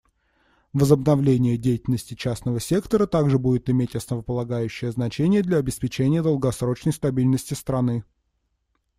Возобновление деятельности частного сектора также будет иметь основополагающее значение для обеспечения долгосрочной стабильности страны.